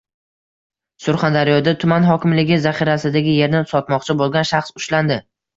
Surxondaryoda tuman hokimligi zaxirasidagi yerni sotmoqchi bo‘lgan shaxs ushlandi